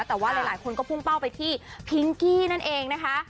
แต่ว่าหลายคนก็พุ่งเป้าไปที่พิงกี้นั่นเองนะคะ